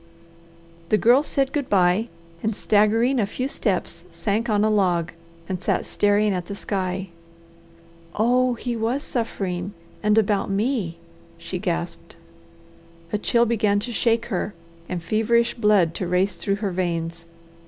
The Girl said good bye and staggering a few steps sank on a log and sat staring at the sky. "Oh he was suffering, and about me!" she gasped. A chill began to shake her and feverish blood to race through her veins.